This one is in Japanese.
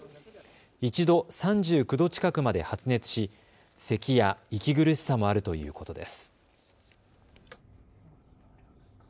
一度３９度近くまで発熱しせきや息苦しさもあるということです。